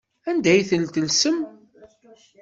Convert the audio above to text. Anda ay ten-tellsem?